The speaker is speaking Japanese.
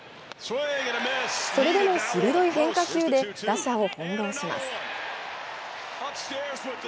それでも鋭い変化球で打者を翻弄します。